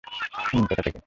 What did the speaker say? উম কোথা থেকে?